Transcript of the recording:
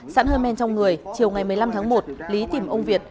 sẵn hơi men trong người chiều ngày một mươi năm tháng một lý tìm ông việt